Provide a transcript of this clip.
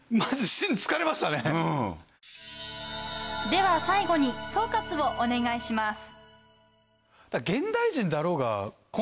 では最後に総括をお願いします。